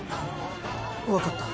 わかった。